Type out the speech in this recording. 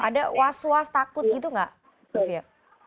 ada was was takut gitu nggak bu fia